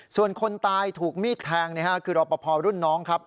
ส่วนคนตายถูกมีดแทงคือรอปภรุ่นน้องครับ